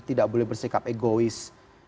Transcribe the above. tidak boleh bersikap egois